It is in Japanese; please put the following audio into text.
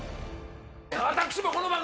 私もこの番組。